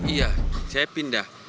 iya saya pindah